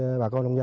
các bà con nông dân